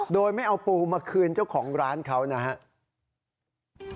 โดยไม่เอาปูมาคืนเจ้าของร้านเขานะครับ